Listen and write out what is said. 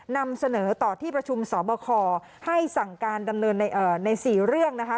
นำเสนอต่อที่ประชุมสอบคอให้สั่งการดำเนินใน๔เรื่องนะคะ